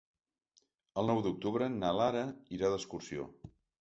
El nou d'octubre na Lara irà d'excursió.